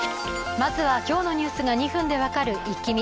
まずは今日のニュースが２分で分かるイッキ見。